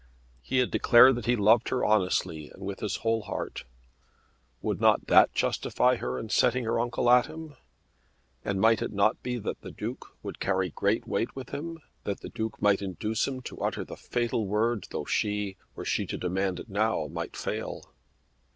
He had declared that he loved her honestly and with his whole heart. Would not that justify her in setting her uncle at him? And might it not be that the Duke would carry great weight with him; that the Duke might induce him to utter the fatal word though she, were she to demand it now, might fail?